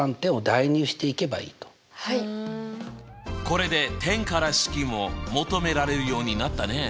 これで点から式も求められるようになったね。